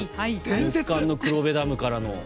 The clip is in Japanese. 極寒の黒部ダムからの。